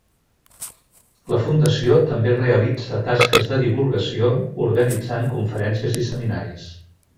La fundació també realitza tasques de divulgació, organitzant conferències i seminaris.